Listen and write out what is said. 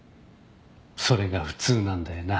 それが普通なんだよな。